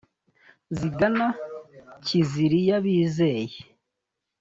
zigana kiziriya bizeye